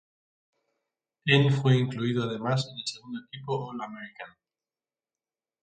En fue incluido además en el segundo equipo All-American.